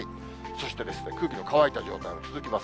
そして空気の乾いた状態が続きます。